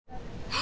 あ！